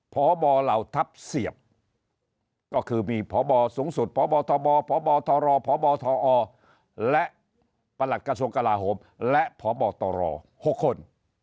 พบเหล่าทัพเสียบก็คือมีพบสูงสุดพบทบพบทรพบทอและพบตร๖คน